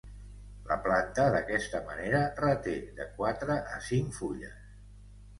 La planta d'aquesta manera reté de quatre a cinc fulles.